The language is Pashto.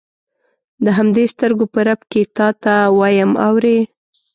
د همدې سترګو په رپ کې تا ته وایم اورې.